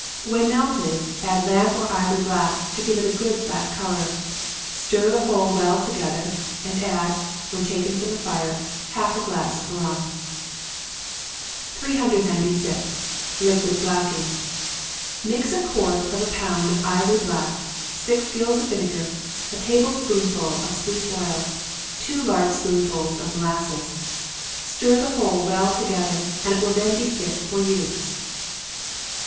When melted, add lamp or ivory black to give it a good black color. Stir the whole well together, and add, when taken from the fire, half a glass of rum. 396. Liquid Blacking. Mix a quarter of a pound of ivory black, six gills of vinegar, a table spoonful of sweet oil, two large spoonsful of molasses. Stir the whole well together, and it will then be fit for use.